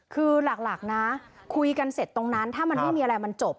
คือหลักนะคุยกันเสร็จตรงนั้นถ้ามันไม่มีอะไรมันจบ